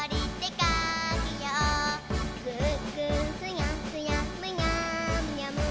「ぐーぐーすやすやむにゃむにゃむ」